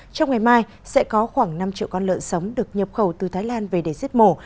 trong ngày mai sẽ có khoảng năm triệu con lợn sống được nhập khẩu từ thái lan về để giết mổ